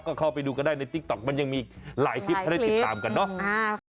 ก็เข้าไปดูกันได้ในติ๊กต๊อกมันยังมีหลายคลิปให้ได้ติดตามกันเนาะ